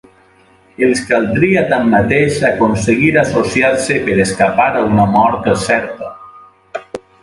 Els caldria tanmateix aconseguir associar-se per escapar a una mort certa.